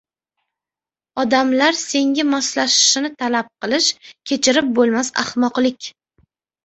Odamlar senga moslashishini talab qilish – kechirib bo‘lmas ahmoqlik.